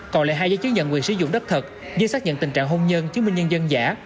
còn lại hai giấy chứng nhận quyền sử dụng đất thật như xác nhận tình trạng hôn nhân chứng minh nhân dân giả